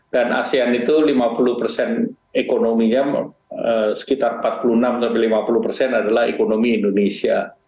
dan asean itu lima puluh persen ekonominya sekitar empat puluh enam sampai lima puluh persen adalah ekonomi indonesia